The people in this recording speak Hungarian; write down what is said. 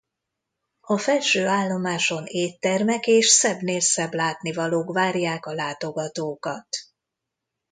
A felső állomáson éttermek és szebbnél szebb látnivalók várják a látogatókat.